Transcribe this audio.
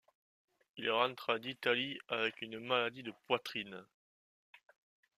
Il rentra d'Italie avec une maladie de poitrine.